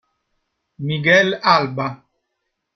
Miguel Alba